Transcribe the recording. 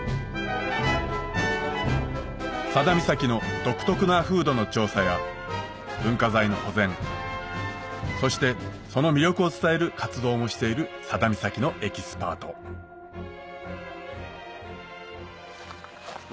佐田岬の独特な風土の調査や文化財の保全そしてその魅力を伝える活動もしている佐田岬のエキスパート僕